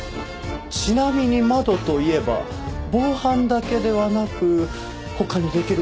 ちなみに窓といえば防犯だけではなく他にできる事があるんですが。